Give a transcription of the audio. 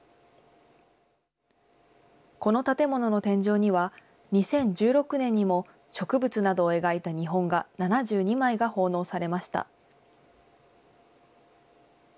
この建物の天井には、２０１６年にも植物などを描いた日本画７２枚が奉納されました。